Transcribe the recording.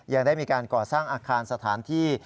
ยังได้มีการก่อสร้างอาคารสถานที่